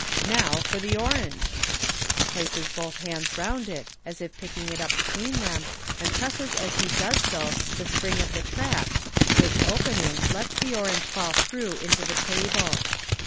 "Now for the orange." He places both hands round it, as if picking it up between them, and presses as he does so the spring of the trap, which opening, lets the orange fall through into the table.